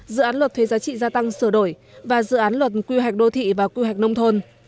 dự án luật thuê giá trị gia tăng sửa đổi và dự án luật quy hoạch đô thị và quy hoạch nông thôn